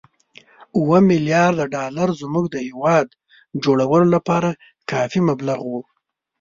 اووه ملیارده ډالر زموږ د هېواد جوړولو لپاره کافي مبلغ وو.